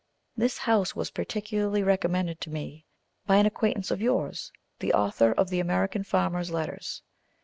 This house was particularly recommended to me by an acquaintance of yours, the author of the "American Farmer's Letters."